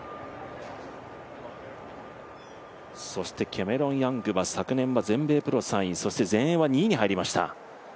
そしてキャメロン・ヤングは昨年は全米プロ３位そして全英は２位に入りました。